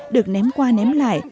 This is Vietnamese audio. được ném qua ném lại